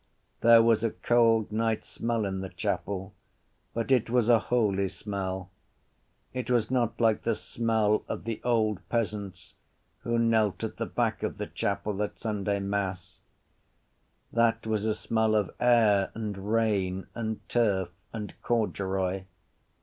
There was a cold night smell in the chapel. But it was a holy smell. It was not like the smell of the old peasants who knelt at the back of the chapel at Sunday mass. That was a smell of air and rain and turf and corduroy.